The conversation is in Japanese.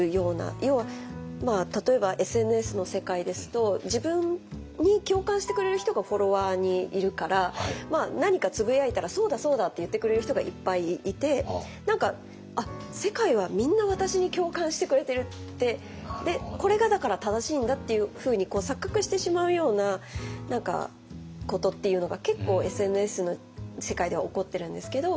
要は例えばＳＮＳの世界ですと自分に共感してくれる人がフォロワーにいるから何かつぶやいたら「そうだそうだ！」って言ってくれる人がいっぱいいて何か世界はみんな私に共感してくれてるってこれがだから正しいんだっていうふうに錯覚してしまうようなことっていうのが結構ＳＮＳの世界では起こってるんですけど。